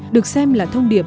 được xem là thông điệp